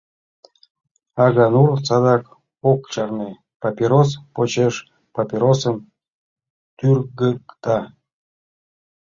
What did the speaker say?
А Ганур садак ок чарне, папирос почеш папиросым тӱргыкта.